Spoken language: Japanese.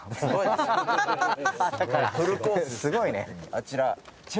あちら。